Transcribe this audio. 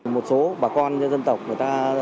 một số bà con dân tộc người ta